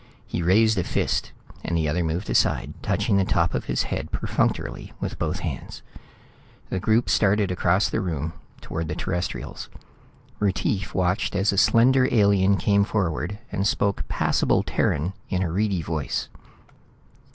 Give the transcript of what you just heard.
He raised a fist, and the other moved aside, touching the top of his head perfunctorily with both hands. The group started across the room toward the Terrestrials. Retief watched as a slender alien came forward and spoke passable Terran in a reedy voice.